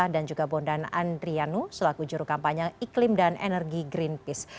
dan juga bondan andrianu selaku juru kampanye iklim dan energi greenpeace